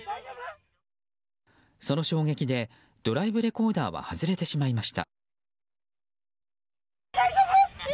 その衝撃でドライブレコーダーは外れてしまいました。